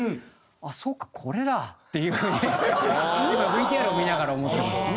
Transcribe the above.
「あっそうかこれだ」っていう風に今ＶＴＲを見ながら思ってました。